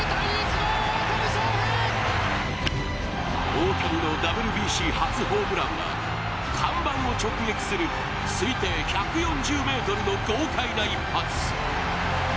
大谷のＷＢＣ初ホームランは看板を直撃する推定１４０ｍの豪快な一発。